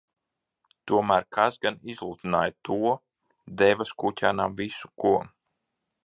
Tomēr kas gan izlutināja to, deva skuķēnam visu ko?